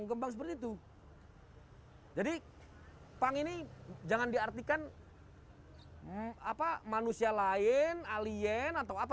berkembang seperti itu jadi pang ini jangan diartikan apa manusia lain alien atau apa